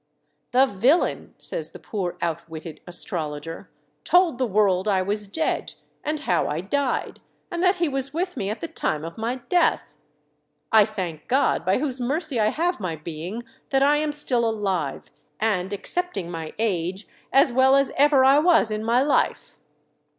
"The villain," says the poor outwitted astrologer, "told the world I was dead, and how I died, and that he was with me at the time of my death. I thank God, by whose mercy I have my being, that I am still alive, and, excepting my age, as well as ever I was in my life."